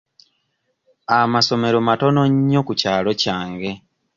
Amasomero matono nnyo ku kyalo kyange.